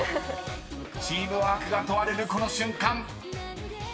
［チームワークが問われるこの瞬間］